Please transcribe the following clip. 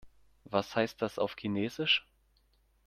Was heißt das auf Chinesisch?